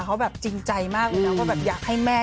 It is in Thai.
เขาแบบจริงใจมากเลยนะว่าแบบอยากให้แม่